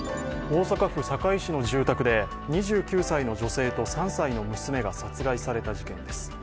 大阪府堺市の住宅で２９歳の女性と３歳の娘が殺害された事件です。